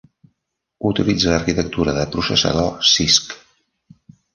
Utilitza l'arquitectura de processador Cisc.